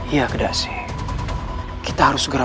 iya kedasi kita harus segera